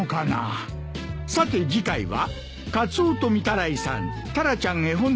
さて次回は。